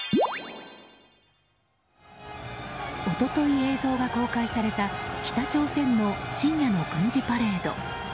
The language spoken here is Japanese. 一昨日映像が公開された北朝鮮の深夜の軍事パレード。